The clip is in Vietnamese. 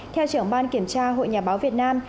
theo trưởng ban kiểm tra hội nhà báo việt nam